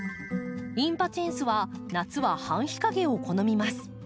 インパチェンスは夏は半日陰を好みます。